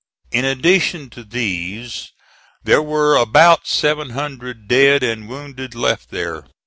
In addition to these, there were about 700 dead and wounded left there.